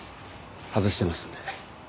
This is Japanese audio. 外してますんで。